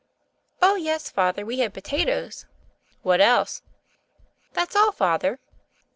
"Oh, yes. Father; we had potatoes." "What else?" "That's all. Father."